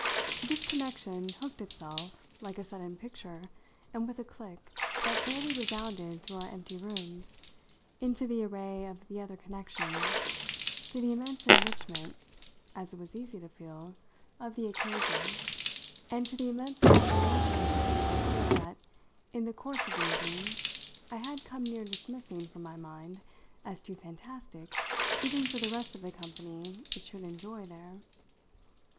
This connection hooked itself, like a sudden picture and with a click that fairly resounded through our empty rooms, into the array of the other connections, to the immense enrichment, as it was easy to feel, of the occasion, and to the immense confirmation of the very idea that, in the course of the evening, I had come near dismissing from my mind as too fantastic even for the rest of the company it should enjoy there.